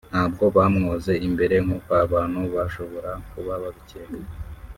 ntabwo bamwoze imbere nk’uko abantu bashobora kuba babicyeka